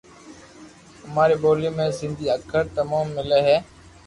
اماري ٻولي ۾ سندي اکر تموم ملي ھي